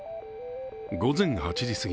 午前８時すぎ